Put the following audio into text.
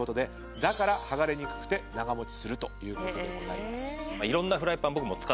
だから剥がれにくくて長持ちするということです。